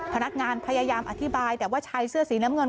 พนักงานพยายามอธิบายแต่ว่าชายเสื้อสีน้ำเงิน